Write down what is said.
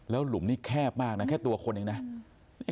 หลุมนี่แคบมากนะแค่ตัวคนเองนะ